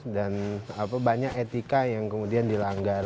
dan banyak etika yang kemudian dilanggar